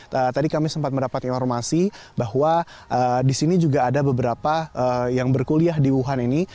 tadi kami sempat mendapat informasi bahwa di sini juga ada beberapa yang berkuliah di wuhan ini